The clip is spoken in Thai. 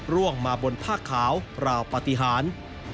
ร่วงมาบนผ้าขาวราวปฏิหาร